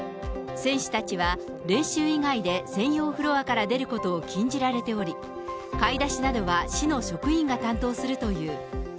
選手たちは練習以外で専用フロアから出ることを禁じられており、買い出しなどは市の職員が担当するという。